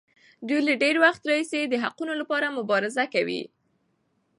دوی له ډېر وخت راهیسې د حقونو لپاره مبارزه کوي.